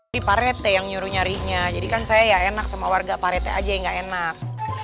di parete yang nyuruh nyarinya jadi kan saya ya enak sama warga parete aja yang gak enak